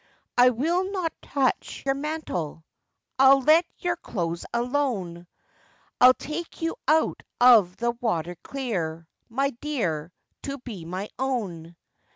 'I will not touch your mantle, I'll let your clothes alone; I'll take you out of the water clear, My dear, to be my own.